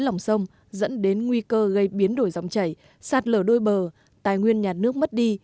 lòng sông dẫn đến nguy cơ gây biến đổi dòng chảy sạt lở đôi bờ tài nguyên nhà nước mất đi